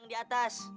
yang di atas